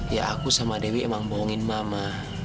ya aku sama dewi emang bohongin mama